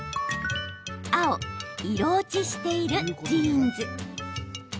青・色落ちしているジーンズ。